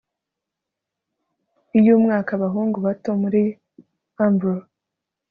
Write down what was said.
Uyu mwaka abahungu bato muri Umbro